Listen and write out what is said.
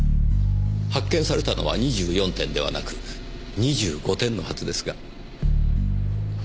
発見されたのは２４点ではなく２５点のはずですが？